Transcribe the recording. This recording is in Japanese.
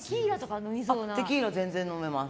テキーラ、全然飲めます。